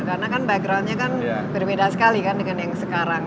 karena kan background nya kan berbeda sekali kan dengan yang sekarang